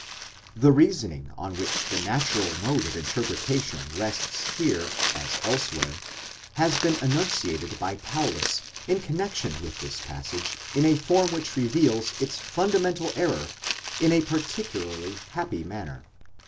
® The reasoning on which the natural mode of interpretation rests here, as elsewhere, has been enunciated by Paulus in connexion with this passage in a form which reveals its fundamental error in a particularly happy manner.